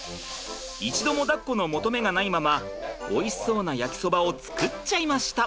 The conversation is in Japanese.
一度もだっこの求めがないままおいしそうな焼きそばを作っちゃいました。